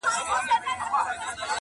بس د رڼا په تمه ژوند کوي رڼا نه لري.!